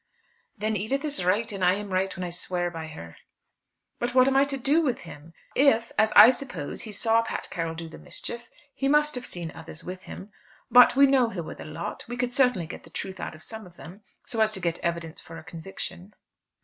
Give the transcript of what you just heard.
"Then Edith is right; and I am right when I swear by her." "But what am I to do with him? If, as I suppose, he saw Pat Carroll do the mischief, he must have seen others with him. If we knew who were the lot, we could certainly get the truth out of some of them, so as to get evidence for a conviction."